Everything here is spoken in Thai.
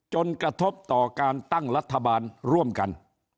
กระทบต่อการตั้งรัฐบาลร่วมกัน